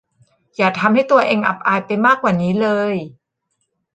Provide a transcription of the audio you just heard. อย่าทำให้ตัวเองอับอายไปมากกว่านี้เลย